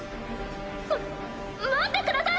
ま待ってください！